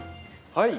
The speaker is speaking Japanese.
はい。